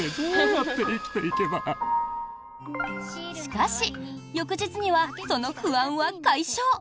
しかし、翌日にはその不安は解消。